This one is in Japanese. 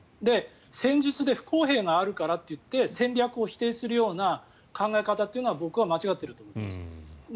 戦術で不公平があるからといって戦略を否定するような考え方というのは僕は間違っていると思っています。